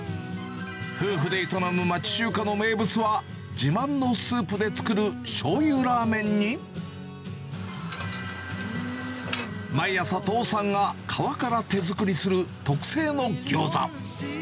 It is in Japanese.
夫婦で営む町中華の名物は、自慢のスープで作るしょうゆラーメンに、毎朝、父さんが皮から手作りする特製のギョーザ。